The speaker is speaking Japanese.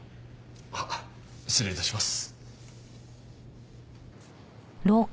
はっ失礼致します。